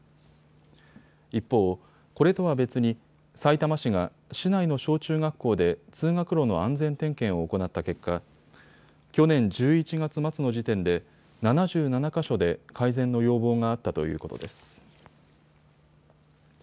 一方、これとは別にさいたま市が市内の小中学校で通学路の安全点検を行った結果、去年１１月末の時点で７７か所で改善の要望があったということです。